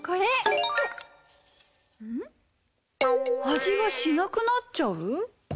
「味がしなくなっちゃう」？